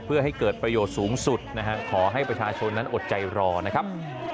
เพื่อให้เกิดประโยชน์สูงสุดนะฮะขอให้ประชาชนนั้นอดใจรอนะครับ